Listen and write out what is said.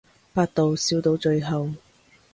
百度笑到最後